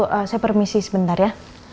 saya minta permisi sebentar ya